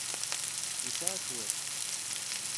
Nesɛa cwiṭ.